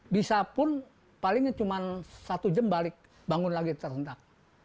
bisa pun palingnya cuma satu jam balik bangun lagi tersendak